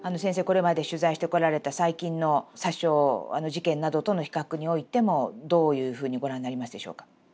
これまで取材してこられた最近の殺傷事件などとの比較においてもどういうふうにご覧になりますでしょうか？